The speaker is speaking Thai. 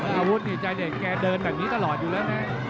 อาวุธนี่ใจเด็ดแกเดินแบบนี้ตลอดอยู่แล้วนะ